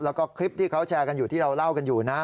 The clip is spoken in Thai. แล้วก็คลิปที่เขาแชร์กันอยู่ที่เราเล่ากันอยู่นะ